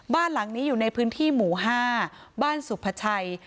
บ้านหลังนี้อยู่ในพื้นที่หมู่๕บ้านสุภาชัย